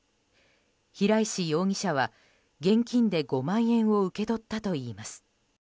平石容疑者は現金で５万円を受け取ったといいます。